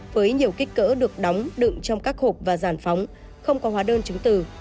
với nhiều kích cỡ được đóng đựng trong các hộp và giàn phóng không có hóa đơn chứng từ